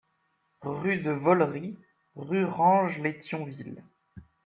Rue de Vaulry, Rurange-lès-Thionville